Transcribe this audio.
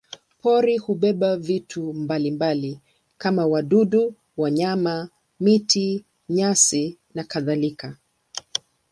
Pori hubeba vitu mbalimbali kama wadudu, wanyama, miti, nyasi nakadhalika.